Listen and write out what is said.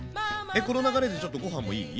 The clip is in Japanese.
この流れでちょっとご飯もいい？